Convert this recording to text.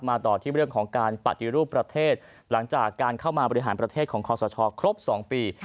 ต่อที่เรื่องของการปฏิรูปประเทศหลังจากการเข้ามาบริหารประเทศของคอสชครบ๒ปี